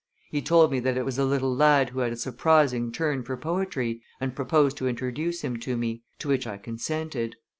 He told me that it was a little lad who had a surprising turn for poetry, and proposed to introduce him to me; to which I consented.